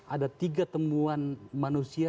ada tiga temuan manusia